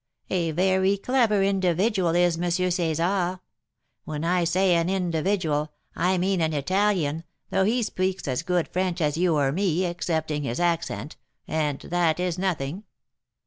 A very clever individual is M. César. When I say an 'individual,' I mean an Italian, though he speaks as good French as you or me, excepting his accent, and that is nothing.